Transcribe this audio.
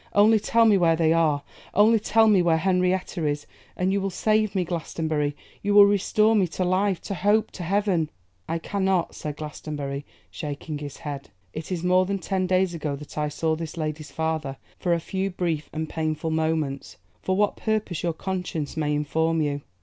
'Only tell me where they are, only tell me where Henrietta is, and you will save me, Glastonbury. You will restore me to life, to hope, to heaven.' 'I cannot,' said Glastonbury, shaking his head. 'It is more than ten days ago that I saw this lady's father for a few brief and painful moments; for what purpose your conscience may inform you.